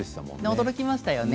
驚きましたよね。